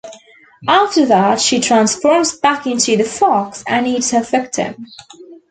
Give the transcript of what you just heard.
After that she transforms back into the fox and eats her victim.